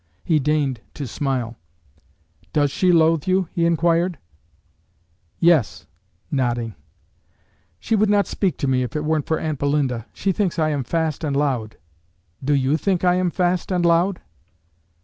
He deigned to smile. "Does she loathe you?" he inquired. "Yes," nodding. "She would not speak to me if it weren't for aunt Belinda. She thinks I am fast and loud. Do you think I am fast and loud?"